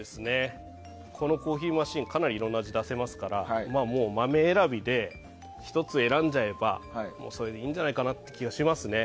このコーヒーマシンかなりいろんな味が出せますから豆選びで、１つ選んじゃえばそれでいいんじゃないかなという気がしますね。